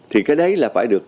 thì cái đấy là phải được